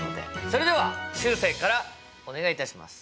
それではしゅうせいからお願いいたします。